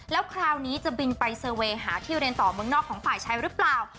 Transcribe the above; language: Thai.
แล้วคราวนี้จะบินไปเซอร์เวย์หาที่เรียนต่อเมืองนอกของฝ่ายชายหรือเปล่า